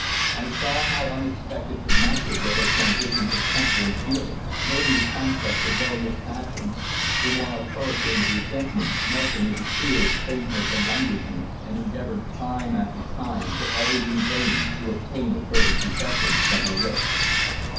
I saw how unexpected but natural were her transitions of temper and feeling, noted the contest of various passions, the wild hurricane of resentment melting into tears, faintness and languishment, and endeavoured time after time, but always in vain, to obtain a further confession from her lips.